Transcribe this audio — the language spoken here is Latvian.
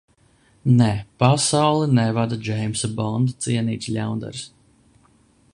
Nē - pasauli nevada Džeimsa Bonda cienīgs ļaundaris.